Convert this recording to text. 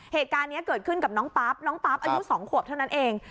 เหตุการณ์นี้เกิดขึ้นกับน้องปั๊บน้องปั๊บอายุ๒ขวบเท่านั้นเอง